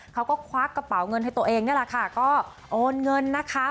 ควักกระเป๋าเงินให้ตัวเองนี่แหละค่ะก็โอนเงินนะคะ